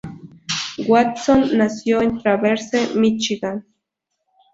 Watson nació en Traverse, Míchigan.